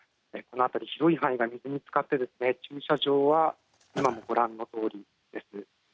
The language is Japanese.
広い範囲が水につかって駐車場は今もご覧のとおりです。